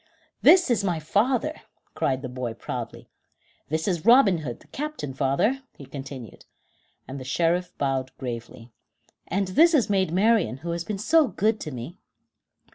"This is my father," cried the boy proudly. "This is Robin Hood, the captain, father," he continued, and the Sheriff bowed gravely; "and this is Maid Marian, who has been so good to me."